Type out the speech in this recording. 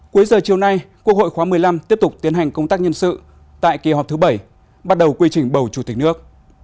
cuối giờ chiều nay quốc hội khóa một mươi năm tiếp tục tiến hành công tác nhân sự tại kỳ họp thứ bảy bắt đầu quy trình bầu chủ tịch nước